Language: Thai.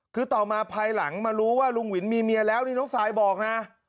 คือต่อมาภายหลังมารู้ว่าลุงวินมีเมียแล้วนี่น้องซายบอกนะ